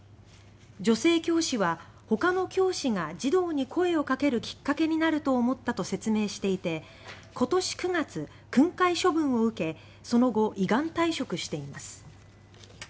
女性教師は「他の教師が児童に声をかけるきっかけになると思った」と説明していて今年９月、訓戒処分を受けその後、依願退職しています。